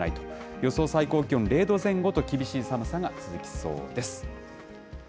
予想最高気温０度前後と厳しい寒さが続きそうです。